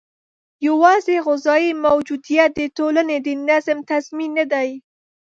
یوازې غذايي موجودیت د ټولنې د نظم تضمین نه دی.